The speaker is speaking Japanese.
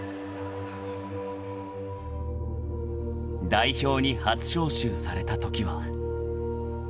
［代表に初招集されたときは］